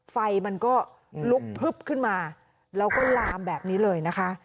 ไฟมันก็ลุกพลึบขึ้นมาแล้วก็ลามแบบนี้เลยนะคะ